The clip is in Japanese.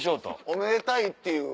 おめでたいっていう。